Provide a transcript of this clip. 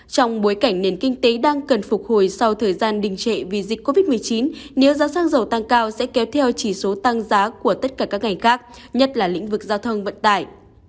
trong bối cảnh nền kinh tế đang cần phục hồi sau thời gian đình trệ vì dịch covid một mươi chín nếu giá xăng dầu tăng cao sẽ kéo theo chỉ số tăng giá của tất cả các ngành khác nhất là lĩnh vực giao thông vận tải